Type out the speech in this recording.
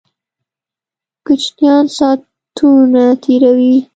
کوچینان ساتونه تیروي